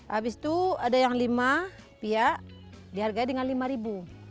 habis itu ada yang lima piak dihargai dengan rp lima